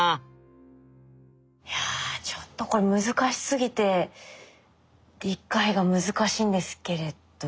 いやちょっとこれ難しすぎて理解が難しいんですけれど。